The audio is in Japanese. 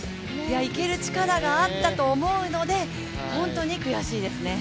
行ける力があったと思うので本当に悔しいですね。